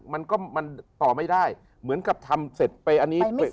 มันก็มันต่อไม่ได้เหมือนกับทำเสร็จไปอันนี้